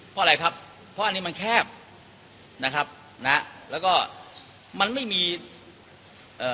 เพราะอะไรครับเพราะอันนี้มันแคบนะครับนะฮะแล้วก็มันไม่มีเอ่อ